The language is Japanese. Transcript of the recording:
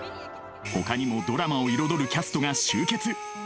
ほかにもドラマを彩るキャストが集結